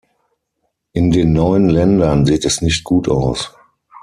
In den neuen Ländern sieht es nicht gut aus.